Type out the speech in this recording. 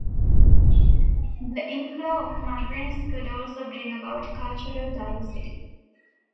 The inflow of migrants could also bring about cultural diversity.